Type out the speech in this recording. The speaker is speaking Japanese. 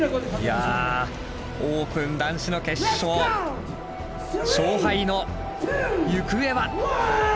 いやオープン男子の決勝勝敗の行方は？